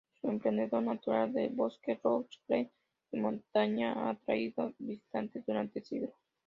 Su esplendor natural de bosque, "loch", "glen" y montaña ha atraído visitantes durante siglos.